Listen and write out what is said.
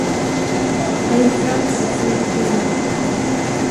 Han gick fram för att se på kvinnan.